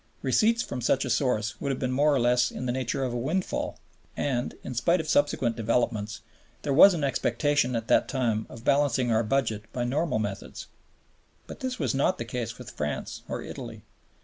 Receipts from such a source would have been more or less in the nature of a windfall; and, in spite of subsequent developments, there was an expectation at that time of balancing our budget by normal methods. But this was not the case with France or Italy.